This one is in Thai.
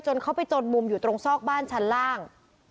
เขาไปจนมุมอยู่ตรงซอกบ้านชั้นล่าง